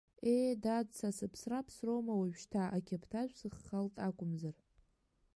Ее, дад, са сыԥсра ԥсроума уажәшьҭа, ақьаԥҭажә сыххалт акәымзар.